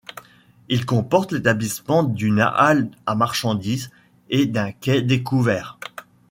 Il comporte l'établissement d'une halle à marchandises et d'un quai découvert.